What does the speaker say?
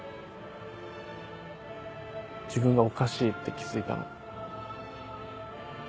自分がおかしいって気付いたの。